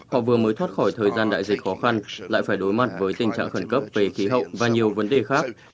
họ vừa mới thoát khỏi thời gian đại dịch khó khăn lại phải đối mặt với tình trạng khẩn cấp về khí hậu và nhiều vấn đề khác